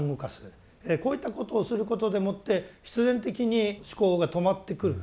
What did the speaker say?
こういったことをすることでもって必然的に思考が止まってくる。